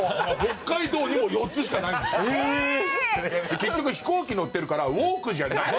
結局飛行機乗ってるからウォークじゃないんだよ